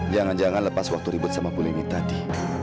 jangan jangan lepas waktu ribut sama pulini tadi